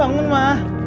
ma bangun ma